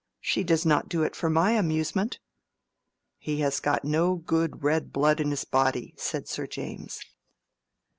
She does not do it for my amusement." "He has got no good red blood in his body," said Sir James.